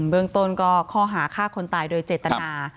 เบื้องต้นก็ข้อหาฆ่าคนตายโดยเจตนา